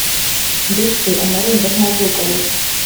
ndetse amarembo ntazugarirwa